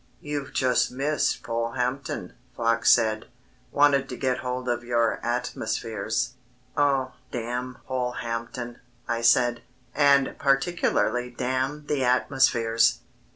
"You've just missed Polehampton," Fox said; "wanted to get hold of your 'Atmospheres.'" "Oh, damn Polehampton," I said, "and particularly damn the 'Atmospheres.'"